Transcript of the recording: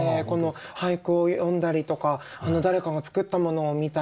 俳句を詠んだりとか誰かが作ったものを見たり。